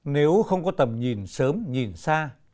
nếu không có tầm nhìn sớm nhìn xa